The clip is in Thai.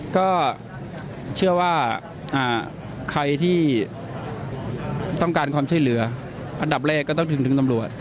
ก็เชื่อว่าใครที่ต้องการความช่วยเหลืออันดับแรกก็ต้องถึงตำรวจ